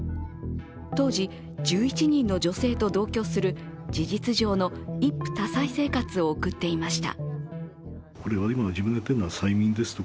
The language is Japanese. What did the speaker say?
当時、１１人の女性と同居する事実上の一夫多妻生活を送っていました。